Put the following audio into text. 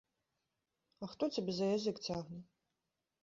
А хто цябе за язык цягне?